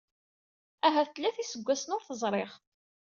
Ahat tlata iseggasen ur t-ẓriɣ.